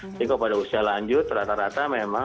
tapi kalau pada usia lanjut rata rata memang